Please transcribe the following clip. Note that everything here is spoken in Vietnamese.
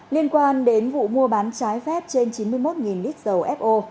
liên quan đến vụ mua bán trái phép trên chín mươi một lít dầu fo